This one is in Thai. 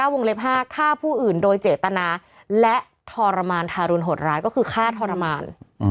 วงเล็บ๕ฆ่าผู้อื่นโดยเจตนาและทรมานทารุณหดร้ายก็คือฆ่าทรมาน